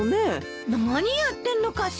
何やってんのかしら？